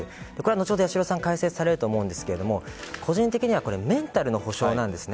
後ほど、八代さんが解説されると思いますが個人的にはメンタルの補償です。